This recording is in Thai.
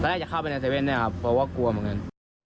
น่าจะเข้าไปใน๗๑๑ด้วยครับเพราะว่ากลัวเหมือนกัน